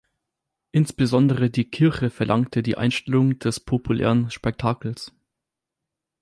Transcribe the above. Insbesondere die Kirche verlangte die Einstellung des populären Spektakels.